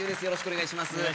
よろしくお願いします